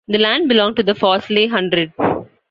The land belonged to the Fawsley Hundred.